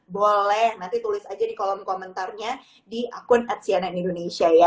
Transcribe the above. boleh nanti tulis aja di kolom komentarnya di akun at cnn indonesia ya